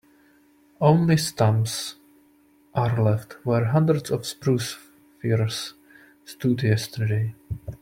Only stumps are left where hundreds of spruce firs stood yesterday.